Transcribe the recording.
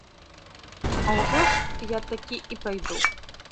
А ўжо ж я такі і пайду.